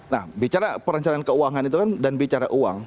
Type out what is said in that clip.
nah bicara perencanaan keuangan itu kan dan bicara uang